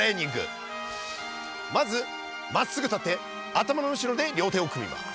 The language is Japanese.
まずまっすぐ立って頭の後ろで両手を組みます。